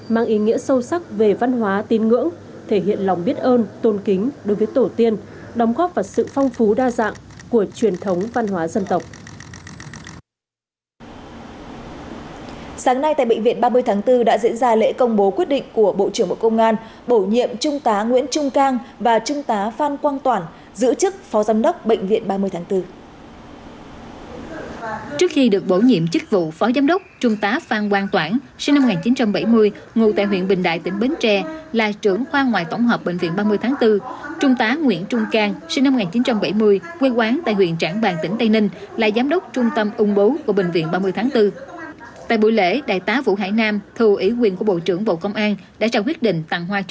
mang ý nghĩa sâu sắc về văn hóa tin ngưỡng thể hiện lòng biết ơn tôn kính đối với tổ tiên đóng góp vào sự phong phú đa dạng của truyền thống văn hóa dân tộc